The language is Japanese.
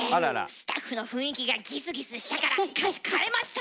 スタッフの雰囲気がギスギスしたから歌詞変えました！